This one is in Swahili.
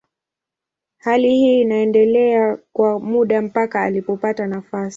Hali hii iliendelea kwa muda mpaka alipopata nafasi.